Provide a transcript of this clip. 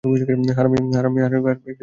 হারামি টাইপ শব্দ।